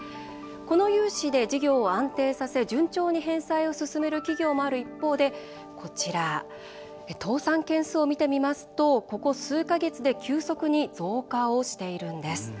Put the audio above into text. この融資で事業を安定させ順調に返済を進める企業もある一方で倒産件数を見てみますとここ数か月で急速に増加をしているんです。